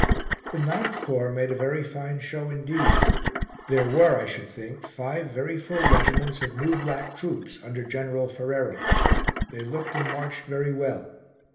The 9th Corps made a very fine show indeed. There were, I should think, five very full regiments of new black troops, under Gen. Ferrero. They looked and marched very well.